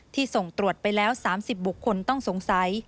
ส่งตรวจไปแล้ว๓๐บุคคลต้องสงสัย